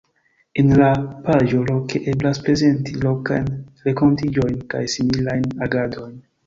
En la paĝo Loke eblas prezenti lokajn renkontiĝojn kaj similajn agadojn.